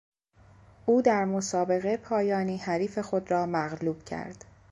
او در مسابقه پایانی حریف خود را مغلوب کرد.